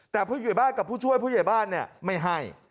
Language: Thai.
แต่ผู้ใหญ่บ้านกับผู้ช่วยผู้ใหญ่บ้านไม่ให้